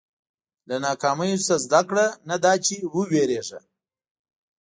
• له ناکامیو نه زده کړه، نه دا چې وېرېږه.